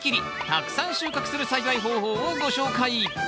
たくさん収穫する栽培方法をご紹介！